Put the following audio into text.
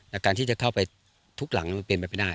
แต่การที่จะเข้าไปทุกหลังมันเป็นไปไม่ได้